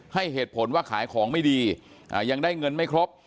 ให้เหตุผลว่าขายของไม่ดียังได้เงินไม่ครบ